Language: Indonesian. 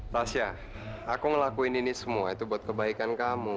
tasya aku ngelakuin ini semua itu buat kebaikan kamu